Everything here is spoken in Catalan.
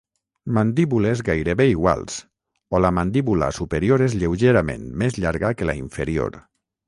Mandíbules gairebé iguals o la mandíbula superior és lleugerament més llarga que la inferior.